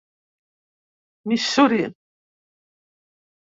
Missouri.